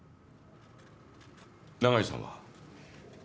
長井さんは？